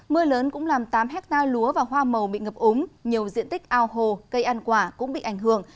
mưa lớn cũng làm tám hectare lúa và hoa màu bị ngập úng nhiều diện tích ao hồ cây ăn quả cũng bị ảnh hưởng